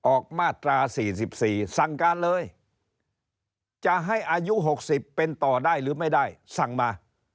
ออกมาตรา๔๔สั่งการเลยจะให้อายุ๖๐เป็นต่อได้หรือไม่ได้สั่งมา